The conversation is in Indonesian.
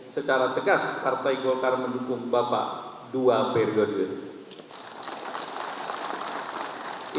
secara tegas partai golkar mendukung bapak dua periode